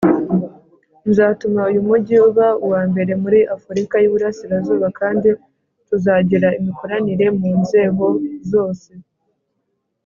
Nzatuma uyu mujyi uba uwa mbere muri afurika y’Iburasirazuba kandi tuzagira imikoranire mu nzeho zose.